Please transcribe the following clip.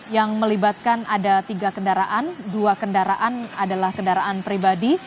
yang melibatkan ada tiga kendaraan dua kendaraan adalah kendaraan pribadi